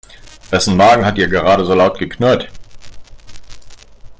Wessen Magen hat hier gerade so laut geknurrt?